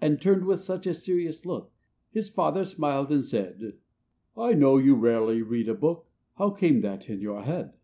And turned with such a serious look, His Father smiled, and said: "I know you rarely read a hook; How came that in your head?